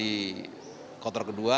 di kotor kedua